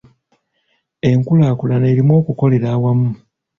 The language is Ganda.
Enkulaakulana erimu okukolera awamu.